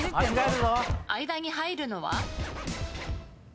間に入るのは？